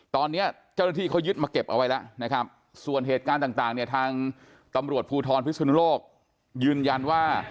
ตอนนี้เจ้าหน้าที่เขายึดมาเก็บเอาไว้แล้วนะครับส่วนเหตุการณ์ต่างเนี่ยทางตำรวจภูทรพิศนุโลกยืนยันว่า